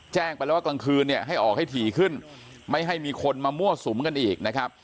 แจ้งไปแล้วว่ากลางคืนเนี่ยให้ออกให้ถี่ขึ้นไม่ให้มีคนมามั่วสุมกันอีกนะครับ